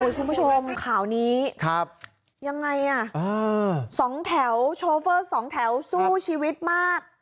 คุณผู้ชมข่าวนี้ครับยังไงอ่ะอืมสองแถวสองแถวสู้ชีวิตมาก